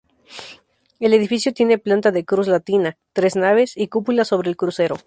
El edificio tiene planta de cruz latina, tres naves y cúpula sobre el crucero.